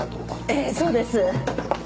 ええそうです。